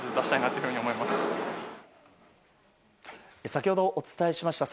先ほどお伝えしました